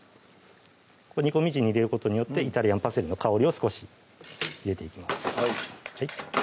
煮込み汁に入れることによってイタリアンパセリの香りを少し入れていきます